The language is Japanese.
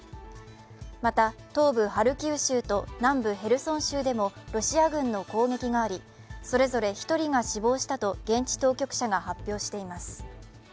また、東部ハルキウ州と南部ヘルソン州でもロシア軍の攻撃があり、それぞれ１人が死亡したと現地当局者が発表しています。